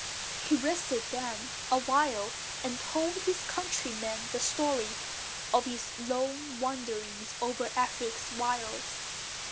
He rested then Awhile, and told his countrymen the story Of his lone wanderings over Afric's wilds.